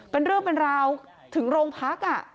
เป็นเรื่องเป็นราวถึงโรงพัก